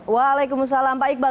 waalaikumsalam pak iqbal